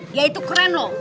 dia itu keren loh